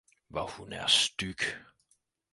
Hvor hun er styg